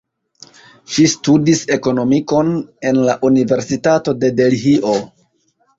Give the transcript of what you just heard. Ŝi studis ekonomikon en la Universitato de Delhio.